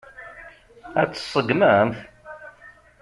Ad tt-seggment?